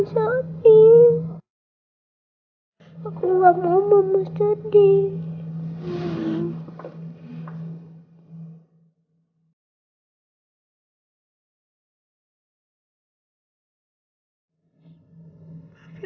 ngapain aku nggak mau mau sedih